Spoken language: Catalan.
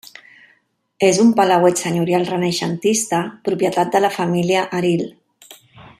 És un palauet senyorial renaixentista propietat de la família Erill.